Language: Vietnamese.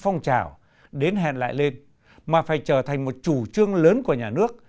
phong trào đến hẹn lại lên mà phải trở thành một chủ trương lớn của nhà nước